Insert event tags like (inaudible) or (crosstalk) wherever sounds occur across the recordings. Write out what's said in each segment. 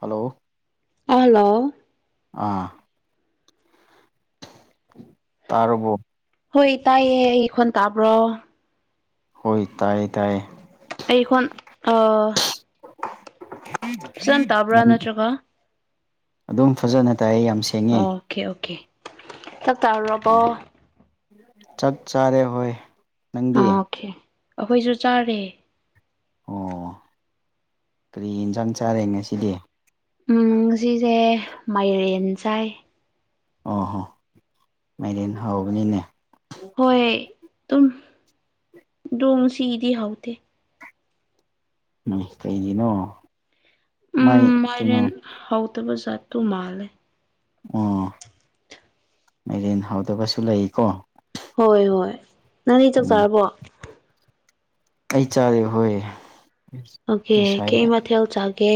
hello hello ꯑꯥ ꯇꯥꯔꯕꯨꯣ ꯍꯣꯏ ꯇꯥꯏꯌꯦ ꯑꯩ ꯑꯩꯈꯣꯟ ꯇꯥꯕ꯭ꯔꯣ ꯍꯣꯏ ꯇꯥꯏꯦ ꯇꯥꯏꯌꯦ ꯑꯩꯈꯣꯟ ꯑ ꯅꯠꯇ꯭ꯔꯒ ꯑꯗꯨꯝ ꯐꯖꯅ ꯇꯥꯏ ꯌꯥꯝ ꯁꯦꯡꯉꯤ ꯇꯇꯥꯔ ꯑꯕ ꯆꯠ ꯆꯔꯦ ꯍꯣꯏ ꯑꯥ ꯅꯪꯗꯤ ꯑꯣꯀꯦ ꯑꯩꯈꯣꯏꯁꯨ ꯆꯥꯔꯦ ꯑꯣ ꯀꯔꯤ ꯌꯦꯟꯁꯥꯡ ꯆꯥꯔꯦ ꯉꯁꯤꯗꯤ ꯎꯝ ꯁꯤꯁꯦ ꯃꯥꯏꯔꯦꯟ ꯆꯥꯏ ꯑꯣ ꯍꯣ ꯃꯥꯏꯗꯤ ꯍꯧꯕꯅꯤꯅꯦ ꯍꯣꯏ ꯇ ꯗꯣꯝꯁꯤ ꯏꯗꯤ ꯍꯥꯎꯗ ꯀꯩꯅꯣ ꯎꯝ ꯃꯥꯏ ꯃꯥꯏꯔꯦꯟ ꯍꯥꯎꯗꯕ ꯖꯥꯠꯇꯨ ꯃꯥꯜꯂꯦ ꯑꯣ ꯃꯔꯦꯟ ꯍꯧꯗꯕꯁꯨ ꯂꯩꯀꯣ ꯍꯣꯏ ꯍꯣꯏ ꯅꯪꯗꯤ ꯆꯥꯛ ꯎꯝ ꯆꯥꯔꯕꯣ ꯑꯩ ꯆꯥꯔꯦ ꯍꯣꯏ ꯑꯣꯀꯦ ꯀꯩ ꯉꯁꯥꯏꯅꯦ ꯃꯊꯦꯜ ꯆꯥꯒꯦ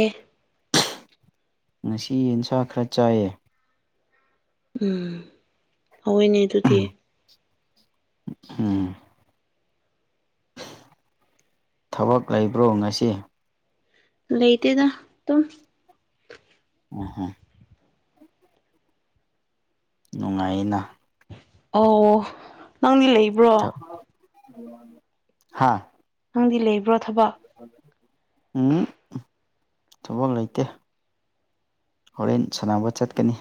ꯉꯁꯤ ꯌꯦꯟꯁꯥ ꯈꯔ ꯆꯥꯏꯌꯦ ꯎꯝ ꯍꯑꯣꯣꯏꯅꯦ ꯑꯗꯨꯗꯤ ꯎꯝ ꯊꯕꯛ ꯂꯩꯕ꯭ꯔꯣ ꯉꯁꯤ ꯂꯩꯇꯗ ꯇꯝ ꯑꯣ ꯍ ꯅꯨꯡꯉꯥꯏꯅ ꯑꯣ ꯅꯪꯗꯤ ꯂꯩꯕ꯭ꯔꯣ ꯍꯥꯥ ꯗꯤ ꯂꯩꯕ꯭ꯔ ꯎꯝ ꯊꯕꯛ ꯂꯩꯇꯦ ꯍꯣꯔꯦꯟ ꯁꯥꯟꯅꯕ ꯆꯠꯀꯅꯤ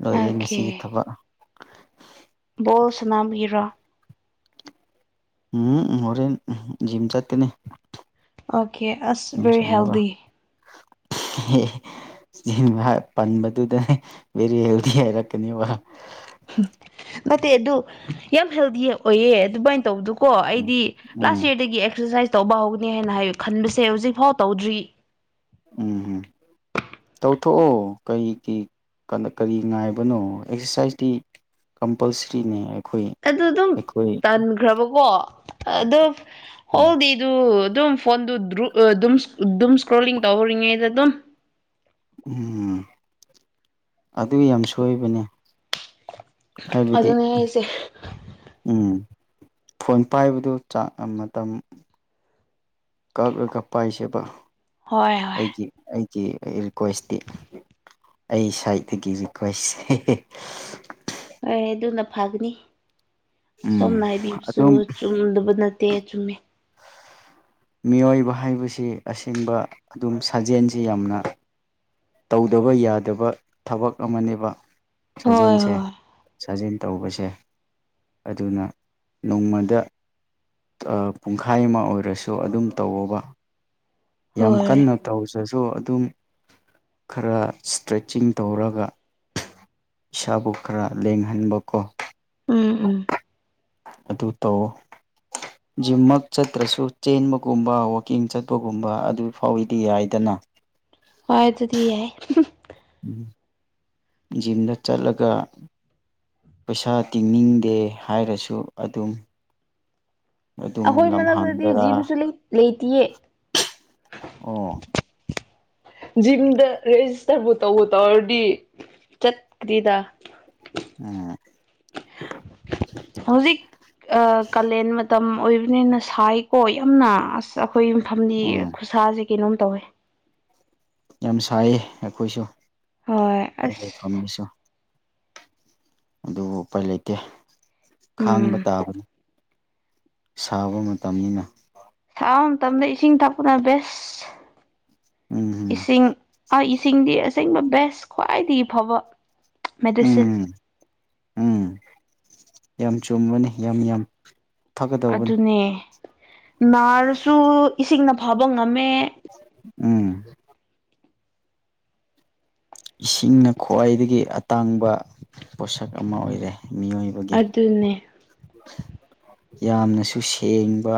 ꯂꯣꯏꯔꯦ ꯉꯁꯤꯒꯤ ꯊꯕꯛ ꯣꯜ ꯁꯅꯥ ꯍꯔꯣ ꯎꯝ ꯃꯣꯔꯦꯟ ꯖꯤꯝ ꯆꯥꯠꯇꯦꯅꯦ ꯑꯣꯀꯦ ꯑꯁ ꯕꯦꯔꯤ ꯍꯦꯜꯦꯜꯗꯤ ꯍ ꯄꯟꯕꯗꯨꯗꯅꯦ ꯚꯦꯔꯤ ꯍꯦꯜꯗꯤ ꯍꯥꯏꯔꯛꯀꯅꯦꯕ ꯐꯠꯇꯦ ꯑꯗꯨ ꯌꯥꯝ ꯍꯦꯜꯗꯤ ꯑꯣꯏꯌꯦ ꯑꯗꯨꯃꯥꯏꯅ ꯇꯧꯕꯗꯨ ꯀꯣ ꯎꯝ ꯑꯩꯗꯤ ꯂꯥꯁ ꯎꯝ ꯌꯔꯗꯒꯤ ꯑꯦꯛꯁꯔꯁꯥꯏꯁ ꯇꯧꯕ ꯍꯧꯒꯅꯤ ꯍꯥꯏꯅ ꯍꯥꯏꯌ ꯈꯟꯕꯁꯦ ꯍꯧꯖꯤꯛꯐꯥꯎ ꯇꯧꯗ꯭ꯔꯤ ꯎꯝ ꯎꯝ ꯇꯧꯊꯣꯛꯑꯣ ꯀꯔꯤꯒꯤ ꯀꯔꯤ ꯉꯥꯏꯕꯅꯣ ꯑꯦꯛꯁꯔꯁꯥꯏꯁꯇꯤ ꯀꯝꯄꯜꯁꯔꯤꯅꯦ ꯑꯩꯈꯣꯏ ꯑꯗꯨ ꯑꯗꯨꯝ ꯑꯩꯈꯣꯏ ꯇꯥꯟꯈ꯭ꯔꯕꯀꯣ ꯑꯗꯨꯣ ꯎꯝ ꯍꯣꯜꯗꯤꯗꯨ ꯑꯗꯨꯝ ꯐꯣꯟꯗꯨ ꯑꯗꯨꯝ ꯏꯁꯀ꯭ꯔꯣꯂꯤꯡ ꯇꯧꯍꯧꯔꯤꯉꯩꯗ ꯑꯗꯨꯝ ꯎꯝ ꯑꯗꯨ ꯌꯥꯝ ꯁꯣꯏꯕꯅꯦ ꯍꯥꯏꯕꯗꯤ ꯑꯗꯨꯅꯦ ꯑꯩꯁꯦ ꯎꯝ ꯐꯣꯟ ꯄꯥꯏꯕꯗꯨꯥꯛ ꯃꯇꯝ ꯀꯛꯂꯒ ꯄꯥꯏꯁꯦꯕ ꯍꯣꯏ ꯍꯣꯏ ꯑꯩꯒꯤ ꯀ ꯑꯩ ꯔꯤꯀ꯭ꯋꯦꯁꯇꯤ ꯑꯩ ꯁ꯭ꯋꯥꯠꯇꯒꯤ ꯔꯤꯀ꯭ꯋꯦꯁꯁ ꯍꯣꯏ ꯑꯗꯨꯅ ꯐꯒꯅꯤ ꯑꯁꯣꯝꯅ ꯎꯝ ꯍꯥꯏꯕꯤꯕꯁꯨ ꯑꯗꯨꯝ ꯆꯨꯝꯗꯕ ꯅ ꯇ ꯆꯨꯝꯃꯦ (inaudible) ꯃꯤꯑꯣꯏꯕ ꯍꯥꯏꯕꯁꯤ ꯑꯁꯦꯡꯕ ꯑꯗꯨꯝ ꯁꯥꯖꯦꯜꯁꯤ ꯌꯥꯝꯅ ꯇꯧꯗꯕ ꯌꯥꯗꯕ ꯊꯕꯛ ꯑꯃꯅꯦꯕ ꯍꯣꯏ ꯁꯥꯖꯦꯜꯁꯦ ꯍꯣꯏ ꯁꯥꯖꯦꯜ ꯇꯧꯕꯁꯦ ꯑꯗꯨꯅ ꯅꯣꯡꯃꯗ ꯄꯨꯡꯈꯥꯏ ꯑꯃ ꯑꯣꯏꯔꯁꯨ ꯑꯗꯨꯝ ꯇꯧꯕ ꯌꯥꯝ ꯍꯣꯏ ꯀꯟꯅ ꯇ ꯍꯧꯁ ꯗꯁꯨ ꯑꯗꯨꯝ ꯈꯔ ꯏꯁꯇ꯭ꯔꯦꯠꯆꯤꯡ ꯇꯧꯔꯒ ꯏꯁꯥꯕꯨ ꯈꯔ ꯂꯦꯡꯍꯟꯕ ꯀꯣ ꯎꯝ ꯎꯝ ꯑꯗꯨ ꯇꯧꯑꯣ ꯖꯤꯝꯃꯛ ꯆꯠꯇ꯭ꯔꯁꯨ ꯆꯦꯟꯕꯒꯨꯝꯕ ꯋꯥꯋꯀꯤꯡ ꯆꯠꯄꯒꯨꯝꯕ ꯑꯗꯨ ꯐꯥꯎꯏꯗꯤ ꯌꯥꯏꯗꯅ ꯑ ꯍꯣꯏ ꯇꯗꯤ ꯌꯥ ꯖꯤꯝꯗ ꯆꯠꯂꯒ ꯄꯩꯁꯥ ꯇꯤꯡꯅꯤꯡꯗꯦ ꯍꯥꯏꯔꯁꯨ ꯑꯗꯨꯝ ꯑꯗꯨꯝ ꯑꯩꯈꯣꯏ ꯃꯊꯛꯇꯗꯤ ꯂꯝꯍꯥꯡꯗꯔꯥ ꯖꯤꯝꯁꯨ ꯂꯩꯇꯌꯦ ꯑꯣ ꯖꯤꯝꯗ ꯔꯦꯖꯤꯁꯇꯔꯕꯨ ꯇꯧꯕ ꯇꯧꯔꯗꯤ ꯆꯠꯀ꯭ꯔꯤꯗ ꯎꯝ ꯍꯧꯖꯤꯛ ꯀꯥꯂꯦꯟ ꯃꯇꯝ ꯑꯣꯏꯕꯅꯤꯅ ꯁꯥꯏꯀꯣ ꯌꯥꯝꯅ ꯑꯁ ꯑꯩꯈꯣꯏ ꯃꯐꯝꯗꯤ ꯎꯝ ꯈꯨꯠꯁꯥꯁꯦ ꯀꯩꯅꯣꯝ ꯇꯧꯋꯦ ꯌꯥꯝ ꯁꯥꯏꯌꯦ ꯑꯩꯈꯣꯏꯁꯨ ꯍꯣꯏ ꯑꯩ ꯑꯁ ꯂꯩꯐꯝꯗꯨꯁꯨ ꯑꯗꯨꯕꯨ ꯎꯄꯥꯏ ꯂꯩꯇꯦ ꯎꯝ ꯈꯥꯡꯕ ꯇꯥꯕꯅꯤ ꯁꯥꯕ ꯃꯇꯝꯅꯤꯅ ꯇꯕ ꯃꯇꯝꯗ ꯏꯁꯤꯡ ꯊꯛꯄꯅ ꯕꯦꯁ ꯎꯝ ꯎꯝ ꯏꯁꯤꯡ ꯁꯤꯡꯗꯤ ꯑꯁꯦꯡꯕ ꯕꯦꯁ ꯈ꯭ꯋꯥꯏꯗꯒꯤ ꯐꯕ ꯃꯦꯗꯤꯁꯤꯟ ꯎꯝ ꯎꯝ ꯌꯥꯝ ꯆꯨꯝꯕꯅꯤ ꯌꯥꯝ ꯌꯥꯝ ꯐꯒꯗꯧꯕꯅꯤ ꯑꯗꯨꯅꯦ ꯅꯥꯔꯁꯨ ꯏꯁꯤꯡꯅ ꯐꯥꯕ ꯉꯝꯃꯦ ꯎꯝ ꯏꯁꯤꯡꯅ ꯈ꯭ꯋꯥꯏꯗꯒꯤ ꯑꯇꯥꯡꯕ ꯄꯣꯠꯁꯛ ꯑꯃ ꯑꯣꯏꯔꯦ ꯃꯤꯑꯣꯏꯕꯒꯤ ꯑꯗꯨꯅꯦ ꯌꯥꯝꯅꯁꯨ ꯁꯦꯡꯕ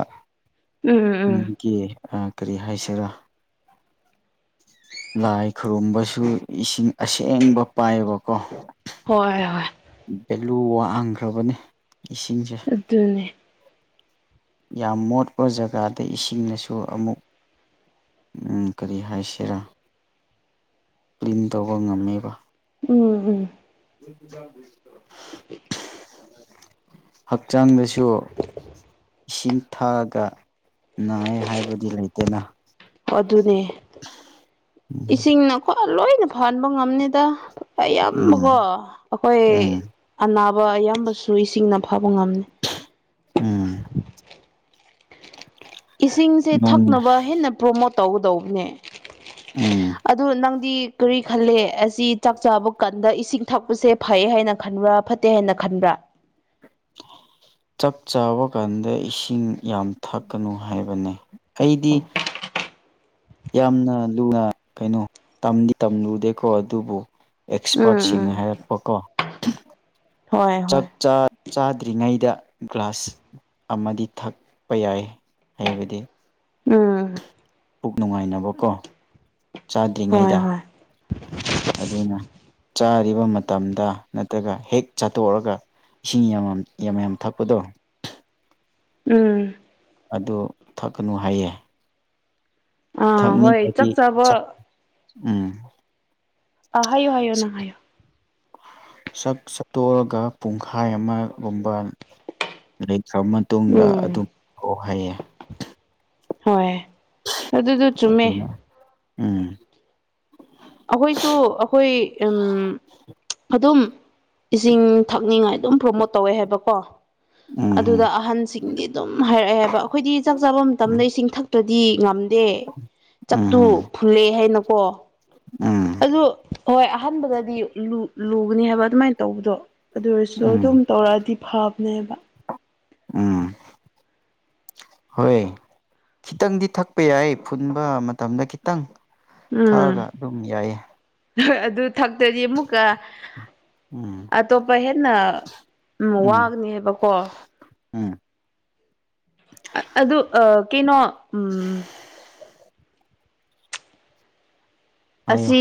ꯎꯝ ꯎꯝ ꯒꯤ ꯀꯔꯤ ꯍꯥꯏꯁꯤꯔꯥ ꯂꯥꯏ ꯈꯨꯔꯨꯝꯕꯁꯨ ꯏꯁꯤꯡ ꯑꯁꯦꯡꯕ ꯄꯥꯏꯕꯀꯣ ꯍꯣꯏ ꯍꯣꯏ ꯚꯦꯂꯨ ꯋꯥꯡꯈ꯭ꯔꯕꯅꯦ ꯑꯗꯨꯅꯦ ꯌꯥꯝ ꯃꯣꯠꯄ ꯖꯒꯥꯗ ꯏꯁꯤꯡꯅꯁꯨ ꯑꯃꯨꯛ ꯎꯝ ꯀꯔꯤ ꯍꯥꯏꯁꯤꯔꯥ ꯀ꯭ꯂꯤꯟ ꯇꯧꯕ ꯉꯝꯃꯦꯕ ꯎꯝ ꯎꯝ (unintelligible) (inaudible) ꯍꯛꯆꯥꯡꯗꯁꯨ ꯏꯁꯤꯡ ꯊꯛꯑꯒ ꯅꯥꯏ ꯍꯥꯏꯕꯗꯤ ꯂꯩꯇꯅ ꯑꯗꯨꯅꯦ ꯎꯝ ꯏꯁꯤꯡꯅꯀ ꯂꯣꯏꯅ ꯐꯍꯟꯕ ꯉꯝꯅꯤꯗ ꯑꯌꯥꯝꯕꯀꯣ ꯎꯝ ꯑꯩꯈꯣꯏ ꯑꯅꯥꯕ ꯑꯌꯥꯝꯕꯁꯨ ꯏꯁꯤꯡꯅ ꯐ ꯐꯥꯕ ꯉꯝꯅꯦ ꯎꯝ ꯏꯁꯤꯡꯁꯦ ꯅꯣꯡ ꯊꯛꯅꯕ ꯍꯦꯟꯅ ꯄ꯭ꯔꯣꯃꯣꯠ ꯇꯧꯒꯗꯧꯕꯅꯦ ꯎꯝ ꯑꯗꯨ ꯅꯪꯗꯤ ꯀꯔꯤ ꯈꯜꯂꯦ ꯑꯁꯤ ꯆꯥꯛ ꯆꯥꯕ ꯀꯥꯟꯗ ꯏꯁꯤꯡ ꯊꯛꯄꯁꯦ ꯐꯩꯌꯦ ꯍꯥꯏꯅ ꯈꯟꯕ꯭ꯔꯥ ꯐꯠꯇꯦ ꯍꯥꯏꯅ ꯈꯟꯕ꯭ꯔꯥ (unintelligible) ꯆꯥꯛ ꯆꯥꯕ ꯀꯥꯟꯗ ꯏꯁꯤꯡ ꯌꯥꯝ ꯊꯛꯀꯅꯨ ꯍꯥꯏꯕꯅꯦ ꯑꯩꯗꯤ ꯌꯥꯝꯅ ꯂꯨꯅ ꯀꯩꯅꯣ ꯇꯝꯗꯤ ꯇꯝꯂꯨꯗꯦꯀꯣ ꯑꯗꯨꯕꯨ ꯎꯝ ꯑꯦꯛꯁꯄꯔꯠꯁꯤꯡꯅ ꯎꯝ ꯍꯥꯏꯔꯛꯄꯀꯣ ꯍꯣꯏ ꯆꯛ ꯍꯣꯏ ꯆꯥꯗ꯭ꯔꯤꯉꯩꯗ ꯒ꯭ꯂꯥꯁ ꯑꯃꯗꯤ ꯊꯛꯄ ꯌꯥꯏ ꯍꯥꯏꯕꯗꯤ ꯎꯝ ꯄꯨꯛ ꯅꯨꯡꯉꯥꯏꯅꯕꯀꯣ ꯍꯣꯏ ꯆꯥꯗ꯭ꯔꯤꯉꯩꯗ ꯍꯣꯏ ꯑꯗꯨꯅ ꯆꯥꯔꯤꯕ ꯃꯇꯝꯗ ꯅꯠꯇ꯭ꯔꯒ ꯍꯦꯛ ꯆꯥꯠꯇꯣꯛꯑꯒ ꯏꯁꯤꯡ ꯌꯥꯝ ꯌꯥꯝ ꯌꯥꯝ ꯊꯛꯄꯗꯣ ꯎꯝ ꯑꯗꯨ ꯊꯛꯀꯅꯨ ꯍꯥꯏꯌꯦ ꯑꯥ ꯍꯣꯏ ꯊꯛꯅꯤꯡꯕꯒꯤ ꯆꯥꯛ ꯆꯞ ꯆꯥꯕ ꯎꯝ ꯑ ꯍꯥꯏꯌꯣ ꯍꯥꯏꯌꯣ ꯅꯪ ꯍꯥꯏꯌꯣ ꯁꯛ ꯁꯛꯇꯣꯛꯑꯒ ꯄꯨꯡꯈꯥꯏ ꯑꯃꯒꯨꯝꯕ ꯈ꯭ꯔꯕ ꯃꯇꯨꯡꯗ ꯎꯝ ꯑꯗꯨꯝ ꯍꯣ ꯍꯩꯌꯦ ꯍꯣꯏ ꯑꯗꯨꯗꯣ ꯆꯨꯝꯃꯦ ꯑꯗꯨꯅ ꯎꯝ ꯑꯩꯈꯣꯏꯁꯨ ꯑꯩꯈꯣꯏ ꯎꯝ ꯑꯗꯨꯝ ꯏꯁꯤꯡ ꯊꯛꯅꯤꯡꯉꯥꯏ ꯑꯗꯨꯝ ꯄ꯭ꯔꯣꯃꯣꯠ ꯇꯧꯋꯦ ꯍꯥꯏꯕꯀꯣ ꯑꯗꯨꯗ ꯎꯝ ꯑꯍꯟꯁꯤꯡꯗꯤ ꯑꯗꯨꯝ ꯍꯥꯏꯔꯛꯑꯦ ꯍꯥꯏꯕ ꯑꯩꯈꯣꯏꯗꯤ ꯆꯥꯛ ꯆꯥꯕ ꯎꯝ ꯃꯇꯝꯗ ꯏꯁꯤꯡ ꯊꯛ ꯆꯠꯇꯗꯤ ꯉꯝꯗꯦ ꯆꯠꯇꯨ ꯎꯝ ꯐꯨꯜꯂꯦ ꯍꯥꯏꯅꯀꯣ ꯎꯝ ꯑꯗꯨ ꯍꯣꯏ ꯑꯍꯥꯟꯕꯗꯗꯤ ꯂꯨ ꯂꯨꯒꯅꯤ ꯍꯥꯏꯕ ꯑꯗꯨꯃꯥꯏꯅ ꯇꯧꯕꯗꯣ ꯑꯗꯨ ꯑꯣꯏꯔꯁꯨ ꯎꯝ ꯑꯗꯨꯝ ꯇꯧꯔꯛꯑꯗꯤ ꯐꯕꯅꯦꯕ ꯎꯝ ꯍꯣꯏ ꯈꯤꯇꯪꯗꯤ ꯊꯛꯄ ꯌꯥꯏ ꯐꯨꯟꯕ ꯃꯇꯝꯗ ꯈꯤꯇꯪ ꯊꯛꯑꯒ ꯎꯝ ꯑꯗꯨꯝ ꯌꯥꯏꯌꯦ ꯍꯣꯏ ꯑꯗꯨ ꯊꯛꯇ꯭ꯔꯗꯤ ꯑꯃꯨꯛꯀ ꯎꯝ ꯑꯇꯣꯞꯄ ꯍꯦꯟꯅ ꯎꯝ ꯋꯥꯒꯅꯤ ꯍꯥꯏꯕꯀꯣ ꯎꯝ ꯑꯗꯨ ꯑ ꯀꯩꯅꯣ ꯎꯝ ꯍꯥꯏꯌꯣ ꯑꯁꯤ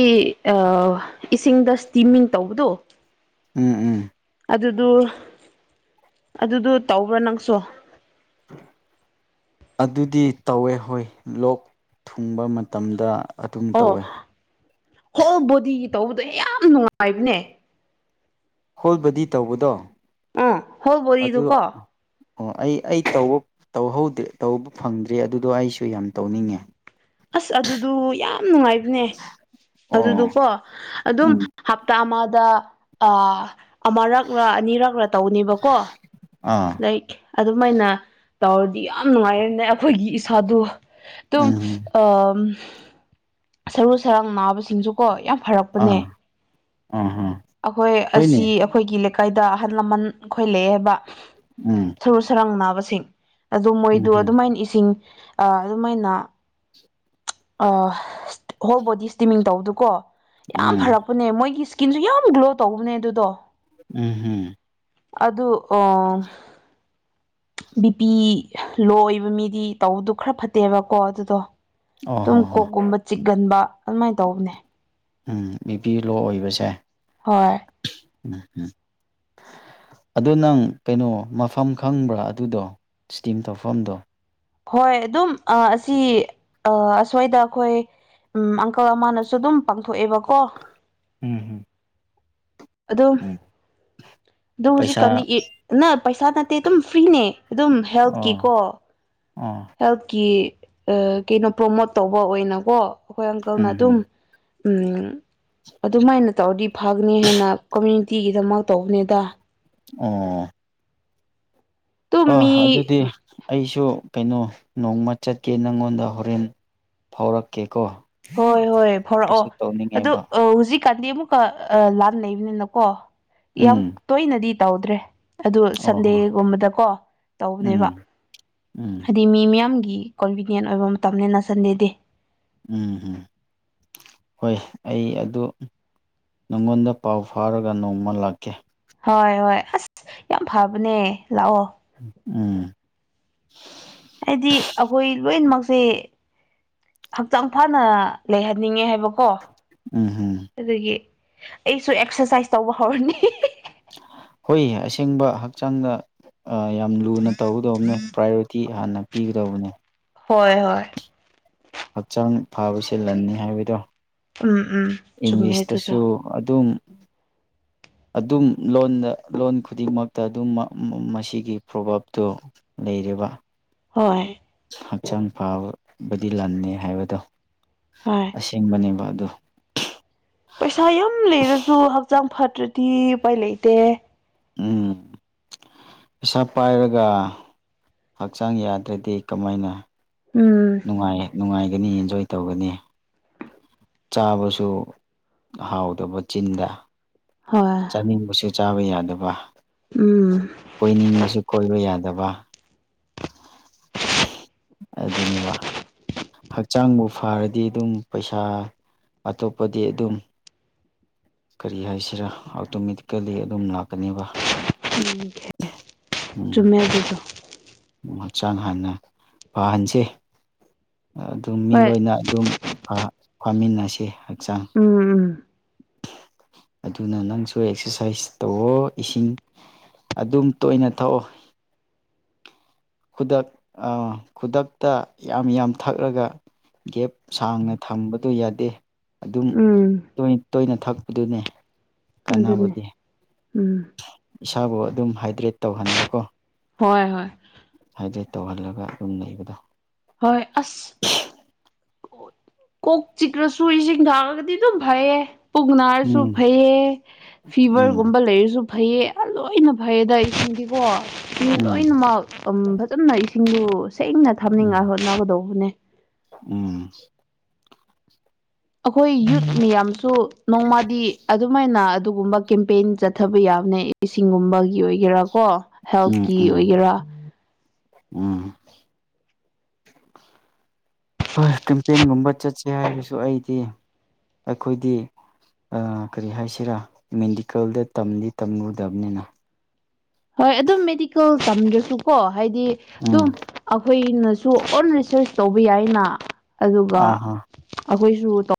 ꯏꯁꯤꯡꯗ ꯏꯁꯇꯤꯃꯤꯡ ꯇꯧꯕꯗꯣ ꯎꯝ ꯎꯝ ꯑꯗꯨꯗꯨ ꯑꯗꯨꯗꯨꯣ ꯇꯧꯕ꯭ꯔꯥ ꯅꯪꯁꯨ ꯗꯤ ꯇꯧꯋꯦ ꯍꯣꯏ ꯂꯣꯛ ꯊꯨꯡꯕ ꯃꯇꯝꯗ ꯑꯗꯨꯝ ꯑꯣ ꯇꯧꯋꯦ ꯍꯣꯜ ꯕꯣꯗꯤꯒꯤ ꯇꯧꯕꯗꯣ ꯌꯥꯝ ꯅꯨꯡꯉꯥꯏꯕꯅꯦ ꯍꯣꯜꯕꯗꯤ ꯇꯧꯕꯗꯣ ꯑ ꯍꯣꯜꯕꯗꯨ ꯑꯗꯨ ꯀꯣ ꯑꯣ ꯑꯩ ꯑꯩ ꯇ ꯇꯧꯍꯧꯗ꯭ꯔꯦ ꯇꯧꯕ ꯐꯪꯗ꯭ꯦ ꯑꯗꯨꯗꯣ ꯑꯩꯁꯨ ꯌꯥꯝ ꯇꯧꯅꯤꯡꯉꯦ ꯑꯁ ꯑꯗꯨꯗꯨ ꯌꯥꯝ ꯅꯨꯡꯉꯥꯏꯕꯅꯦ ꯑꯣ ꯑꯗꯨꯗꯨꯀꯣ ꯑꯗꯨꯝ ꯎꯝ ꯍꯞꯇꯥ ꯑꯃꯗ ꯑ ꯑꯃꯔꯛ ꯑꯅꯤꯔꯛꯂꯥ ꯇꯧꯅꯦꯕꯀꯣ ꯑꯥ ꯂꯥꯏꯛ ꯑꯗꯨꯝꯃꯥꯏꯅ ꯇꯧꯔꯗꯤ ꯌꯥꯝ ꯅꯨꯡꯉꯥꯏꯔꯦꯅꯦ ꯑꯩꯈꯣꯏꯒꯤ ꯏꯁꯥꯗꯣ ꯑꯗꯨꯝ ꯎꯝ ꯎꯝ ꯑꯥ ꯁꯔꯨ ꯁꯌꯥꯡ ꯅꯥꯕꯁꯤꯡꯁꯨꯀꯣ ꯌꯥꯝ ꯐꯔꯛꯄꯅꯦ ꯑꯥ ꯑꯥ ꯍꯥ ꯑꯩꯈꯣꯏ ꯍꯣꯏꯅꯦ ꯑꯁꯤ ꯑꯩꯈꯣꯏꯒꯤ ꯂꯩꯀꯥꯏꯗ ꯑꯍꯜ ꯂꯃꯟ ꯑꯩꯈꯣꯏ ꯂꯩꯌꯦꯕ ꯎꯝ (unintelligible) ꯁꯔꯨ ꯁꯔꯥꯡ ꯅꯥꯕꯁꯤꯡ ꯑꯗꯨ ꯎꯝ ꯃꯣꯏꯗ ꯎꯝ ꯑꯗꯨꯃꯥꯏꯅ ꯏꯁꯤꯡ ꯑ ꯑꯗꯨꯃꯥꯏꯅ ꯑ ꯍꯣꯜ ꯕꯣꯗꯤ ꯏꯁꯇꯤꯃꯤꯡ ꯇꯧꯕꯗꯨꯀꯣ ꯌꯥꯝ ꯎꯝ ꯐꯔꯛꯄꯅꯦ ꯃꯣꯏꯒꯤ ꯏꯁꯀꯤꯟꯖꯨ ꯌꯥꯝ ꯒ꯭ꯂꯣ ꯇꯧꯕꯅꯦ ꯑꯗꯨꯗꯣ ꯎꯝ ꯍꯝ ꯑꯗꯨ ꯑꯣꯝ ꯕꯤꯄꯤ ꯂꯣ ꯑꯣꯏꯕ ꯃꯤꯗꯤ ꯇꯧꯕꯗꯨ ꯈꯔ ꯐꯠꯇꯦꯕꯀꯣ ꯑꯗꯨꯗꯣ ꯑꯣ ꯑꯗꯨꯨꯝ ꯍꯣ ꯍꯣ ꯀꯣꯛꯀꯨꯝꯕ ꯆꯤꯛꯒꯟꯕ ꯑꯗꯨꯃꯥꯏꯅ ꯇꯧꯕꯅꯦ ꯎꯝ ꯕꯤꯄꯤ ꯂꯣ ꯑꯣꯏꯕꯁꯦ ꯍꯣꯏ (unintelligible) ꯑꯗꯣ ꯅꯪ ꯀꯩꯅꯣ ꯃꯐꯝ ꯈꯪꯕ꯭ꯔꯥ ꯑꯗꯨꯗꯣ ꯏꯁꯇꯤꯝ ꯇꯧꯐꯝꯗꯣ ꯍꯣꯏ ꯑꯗꯨꯝ ꯑꯁꯤ ꯑ ꯑꯁ꯭ꯋꯥꯗ ꯑꯩꯈꯣꯏ ꯎꯝ ꯑꯪꯀꯜ ꯑꯃꯅꯁꯨ ꯑꯗꯨꯝ ꯄꯥꯡꯊꯣꯛꯑꯦꯕꯀꯣ ꯎꯝ ꯍꯝ ꯑꯗꯨ ꯑꯗꯨ ꯍꯧꯖꯤꯛꯀꯥꯟꯗꯤ ꯄꯩꯁꯥ ꯏ ꯅ ꯄꯩꯁꯥ ꯅꯠꯇꯦ ꯑꯗꯨꯝ ꯐ꯭ꯔꯤꯅꯦ ꯑꯗꯨꯝ ꯑꯣ ꯍꯦꯜꯠꯀꯤꯀꯣ ꯑꯣ ꯍꯦꯜꯠꯀꯤ ꯑ ꯀꯩꯅꯣ ꯄ꯭ꯔꯣꯃꯣꯠ ꯇꯧꯕ ꯑꯣꯏꯅꯀꯣ ꯑꯩꯈꯣꯏ ꯑꯪꯀꯜꯅ ꯑꯗꯨꯝ ꯎꯝ ꯑꯗꯨꯃꯥꯏꯅ ꯇꯧꯔꯗꯤ ꯐꯒꯅꯤ ꯍꯥꯏꯅ ꯀꯃꯌꯨꯅꯤꯇꯤꯒꯤꯗꯃꯛ ꯇꯧꯕꯅꯤꯗ (unintelligible) ꯑꯗꯨꯝ ꯑ ꯃꯤ ꯑꯗꯨꯗꯤ ꯑꯩꯁꯨ ꯀꯩꯅꯣ ꯅꯣꯡꯃ ꯆꯠꯀꯦ ꯅꯪꯉꯣꯟꯗ ꯍꯣꯔꯦꯟ ꯐꯥꯎꯔꯛꯀꯦꯀꯣ ꯍꯣꯏ ꯍꯣꯏ ꯐꯥꯔꯛꯑꯣ ꯑꯩꯁꯨ ꯑꯗꯨ ꯇꯧꯅꯤꯡꯉꯦꯕ ꯑ ꯍꯧꯖꯤꯛ ꯍꯧꯖꯤꯛ ꯀꯥꯟꯗꯤ ꯑꯃꯨꯛꯀ ꯂꯥꯟ ꯂꯩꯕꯅꯤꯅꯀꯣ ꯌꯥꯝ ꯎꯝ ꯇꯣꯏꯅꯗꯤ ꯇꯧꯗ꯭ꯔꯦ ꯑꯗꯨ ꯑꯣ ꯍꯣ ꯁꯟꯗꯦꯒꯨꯝꯕꯗꯀꯣ ꯇꯧꯕꯅꯦꯕ ꯎꯝ ꯎꯝ ꯍꯥꯏꯗꯤ ꯃꯤ ꯃꯤꯌꯥꯝꯒꯤ ꯀꯣꯟꯚꯤꯅꯤꯟ ꯑꯣꯏꯕ ꯃꯇꯝꯅꯤ ꯅ ꯁꯟꯗꯦꯗꯤ ꯎꯝ ꯎꯝ ꯍꯣꯏ ꯑꯩ ꯑꯗꯨ ꯅꯪꯉꯣꯟꯗ ꯄꯥꯎ ꯐꯥꯎꯔꯒ ꯅꯣꯡꯃ ꯂꯥꯛꯀꯦ ꯍꯣꯏ ꯍꯣꯏ ꯑꯁ ꯌꯥꯝ ꯐꯕꯅꯦ ꯂꯥꯛꯑꯣ ꯎꯝ ꯍꯥꯏꯗꯤ ꯑꯩꯈꯣꯏ ꯂꯣꯏꯅꯃꯛꯁꯤ ꯍꯛꯆꯥꯡ ꯐꯅ ꯂꯩꯍꯟꯅꯤꯡꯉꯦ ꯍꯥꯏꯕꯀꯣ ꯎꯝꯍꯝ ꯑꯗꯨꯒꯤ ꯑꯩꯁꯨ ꯑꯦꯛꯁ꯭ꯔꯁꯥꯏꯁ ꯍꯨꯏ ꯑꯁꯤꯡꯕ ꯍꯛꯆꯥꯡꯗ ꯌꯥꯝ ꯂꯨꯅ ꯇꯧꯒꯗꯧꯕꯅꯦ ꯄ꯭ꯔꯥꯏꯌꯣꯔꯤꯇꯤ ꯍꯥꯟꯅ ꯄꯤꯒꯗꯧꯕꯅꯦ ꯍꯣꯏ ꯍꯣꯏ ꯍꯛꯆꯥꯡ ꯐꯕꯕꯁꯤꯦ ꯂꯟꯅꯤ ꯍꯥꯏꯕꯗꯣ ꯎꯝ ꯎꯝ ꯆꯨꯝꯃꯦ ꯑꯗꯨꯗꯣ ꯏꯪꯂꯤꯁꯇꯁꯨ ꯑꯗꯨꯝ (inaudible) ꯑꯗꯨꯝ ꯂꯣꯟꯗ ꯂꯣꯟ ꯈꯨꯗꯤꯡꯃꯛꯇ ꯑꯗꯨꯝ ꯃꯁꯤꯒꯤ ꯄ꯭ꯔꯣꯚꯥꯞꯇꯣ ꯂꯩꯔꯤꯕ ꯍꯣꯏ ꯍꯛꯆꯥꯡ ꯐꯕꯗꯤ ꯂꯅꯤꯦ ꯍꯥꯏꯕꯗꯣ ꯍꯣꯏ ꯑꯁꯦꯡꯕꯅꯦꯕ ꯑꯗꯨ ꯄꯩꯁꯥ ꯌꯥꯝ ꯂꯩꯔꯁꯨ ꯍꯛꯆꯥꯡ ꯐꯠꯇ꯭ꯔꯗꯤ ꯎꯄꯥꯏ ꯂꯩꯇꯦ ꯎꯝ ꯄꯩꯁꯥ ꯄꯥꯏꯔꯒ ꯍꯛꯆꯥꯡ ꯌꯥꯗ꯭ꯔꯗꯤ ꯀꯃꯥꯏꯅ ꯎꯝ ꯅꯨꯡꯉ ꯅꯨꯡꯉꯥꯏꯒꯅꯤ ꯑꯦꯟꯖꯣꯏ ꯇꯧꯒꯅꯤ ꯆꯥꯕꯁꯨ ꯍꯥꯎꯗꯕ ꯆꯤꯟꯗ ꯍꯣꯏ ꯆꯥꯅꯤꯡꯕꯁꯨ ꯆꯥꯕ ꯌꯥꯗꯕ ꯎꯝ ꯀꯣꯏꯅꯤꯡꯕꯁꯨ ꯀꯣꯏꯕ ꯌꯥꯗꯕ ꯑꯗꯨꯒꯕ ꯑꯩ ꯑꯗꯨꯅꯦꯕ ꯍꯛꯆꯥꯡꯕꯨ ꯐꯔꯗꯤ ꯑꯗꯨꯝ ꯄꯩꯁꯥ ꯑꯇꯣꯞꯄꯗꯤ ꯑꯗꯨꯝ ꯀꯔꯤ ꯍꯥꯏꯁꯤꯔꯥ ꯑꯣꯇꯣꯃꯦꯇꯤꯀꯦꯜꯂꯤ ꯑꯗꯨꯝ ꯂꯥꯛꯀꯅꯦꯕ ꯎꯝ ꯎꯝ ꯆꯨꯝꯃꯦ ꯑꯗꯨꯗꯣ ꯍꯛꯆꯥꯡ ꯍꯥꯟꯅ ꯐꯍꯟꯁꯦ ꯑꯗꯨꯝ ꯃꯤ ꯍꯣꯏ ꯂꯣꯏꯅ ꯑꯗꯨꯝ ꯐꯥꯃꯤꯟꯅꯁꯤ ꯍꯛꯆꯥꯡ ꯎꯝ ꯎꯝ (inaudible) ꯑꯗꯨꯅ ꯅꯪꯁꯨ ꯑꯦꯛꯁꯔꯁꯥꯏꯁ ꯇꯧꯋꯣ ꯏꯁꯤꯡ ꯑꯗꯨꯝ ꯇꯣꯏꯅ ꯊꯑꯣ ꯈꯨꯗꯛ ꯈꯨꯗꯛꯇ ꯌꯥꯝ ꯌꯥꯝ ꯊꯛꯂꯒ ꯒꯦꯞ ꯁꯥꯡꯅ ꯊꯝꯕꯗꯨ ꯌꯥꯗꯦ ꯑꯗꯨꯝ ꯎꯝ ꯇꯣꯏ ꯇꯣꯏꯅ ꯊꯛꯄꯗꯨꯅꯦ ꯑꯗꯨꯅꯦ ꯀꯥꯟꯅꯕꯗꯤ ꯎꯝ ꯏꯁꯥꯕꯨ ꯑꯗꯨꯝ ꯍꯥꯏꯗ꯭ꯔꯦꯠ ꯇꯧꯍꯟꯕꯀꯣ ꯍꯣꯏ ꯍꯣꯏ ꯍꯥꯏꯗ꯭ꯔꯦꯠ ꯇꯧꯍꯜꯂꯒ ꯑꯗꯨꯝ ꯂꯩꯕꯗꯣ ꯍꯣꯏ ꯑꯁ ꯀꯣꯛ ꯆꯤꯛꯈ꯭ꯔꯁꯨ ꯏꯁꯤꯡ ꯊꯥꯡꯉꯒꯗꯤ ꯑꯗꯨꯝ ꯐꯩꯌꯦ ꯄꯨꯛ ꯅꯥꯔꯁꯨ ꯎꯝ ꯐꯩꯌꯦ ꯎꯝ ꯐꯤꯕꯔꯒꯨꯝꯕ ꯂꯩꯔꯁꯨ ꯐꯩꯌꯦ ꯂꯣꯏꯅ ꯐꯌꯦꯗ ꯏꯁꯤꯡꯗꯤꯀꯣ ꯃꯤ ꯎꯝ ꯂꯣꯏꯅꯃꯛ ꯐꯖꯅ ꯏꯁꯤꯡꯗ ꯁꯦꯡꯅ ꯎꯝ ꯊꯝꯅꯤꯡꯉꯥꯏ ꯍꯣꯠꯅꯒꯗꯧꯕꯅꯦ ꯎꯝ ꯑꯩꯈꯣꯏ ꯌꯨꯠ ꯃꯌꯥꯝꯁꯨ ꯅꯣꯡꯃꯗꯤ ꯑꯗꯨꯃꯥꯏꯅ ꯑꯗꯨꯒꯨꯝꯕ ꯀꯦꯝꯄꯦꯟ ꯆꯠꯊꯕ ꯌꯥ ꯏꯁꯤꯡꯒꯨꯝꯕꯒꯤ ꯑꯣꯏꯒꯦꯔꯥ ꯀꯣ ꯎꯝ ꯍꯦꯜꯊꯀꯤ ꯎꯝ ꯑꯣꯏꯒꯦꯔꯥ ꯎꯝ (inaudible) ꯍꯣꯏ ꯀꯦꯝꯄꯦꯟꯒꯨꯝꯕ ꯆꯠꯁꯦ ꯍꯥꯏꯔꯁꯨ ꯑꯩꯗꯤ ꯑꯩꯈꯣꯏꯗꯤ ꯀꯔꯤ ꯍꯥꯏꯁꯤꯔꯥ ꯃꯦꯗꯤꯀꯦꯜꯗ ꯇꯝꯗꯤ ꯇꯝꯂꯨꯗꯕꯅꯤꯅ ꯍꯣꯏ ꯑꯗꯨꯝ ꯃꯦꯗꯤꯀꯦꯜ ꯇꯝꯗ꯭ꯔꯁꯨꯀꯣ ꯍꯥꯏꯗꯤ ꯑꯗꯨꯝ ꯎꯝ ꯑꯩꯈꯣꯏ ꯁꯨ ꯑꯣꯟ ꯔꯤꯁꯔꯁ ꯇꯧꯕ ꯌꯥꯏꯅ ꯑꯗꯨꯒ ꯑꯥ ꯍꯥ ꯑꯩꯈꯣꯏꯁꯨ ꯇ